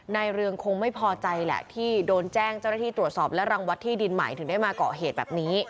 เรืองคงไม่พอใจแหละที่โดนแจ้งเจ้าหน้าที่ตรวจสอบและรังวัดที่ดินใหม่ถึงได้มาเกาะเหตุแบบนี้